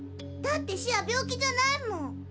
だってシア病気じゃないもん。